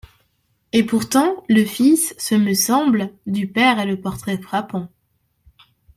Et pourtant, le fils, ce me semble, Du père est le portrait frappant !